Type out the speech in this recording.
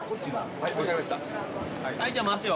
はいじゃあ回すよ。